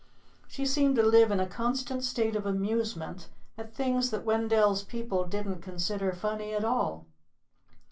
She seemed to live in a constant state of amusement at things that Wendell's people didn't consider funny at all.